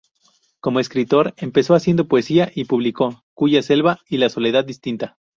Como escritor, empezó haciendo poesía y publicó "Cuya selva" y "La soledad distinta".